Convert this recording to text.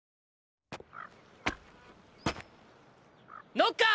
ノッカー！